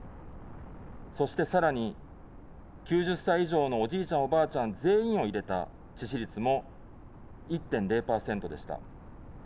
そして、さらに、９０歳以上のおじいちゃん、おばあちゃん全員を入れた致死率も１．０％でした。